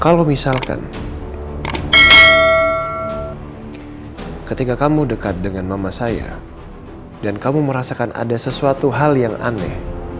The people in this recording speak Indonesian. kalau misalkan ketika kamu dekat dengan mama saya dan kamu merasakan ada sesuatu hal yang aneh